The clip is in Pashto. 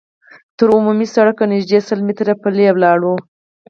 تر عمومي سړکه نږدې سل متره پلي لاړو.